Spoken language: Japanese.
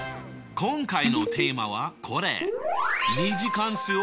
今回のテーマはこれ。